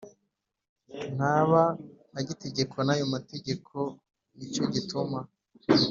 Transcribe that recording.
ntaba agitegekwa n ayo mategeko ni cyo gituma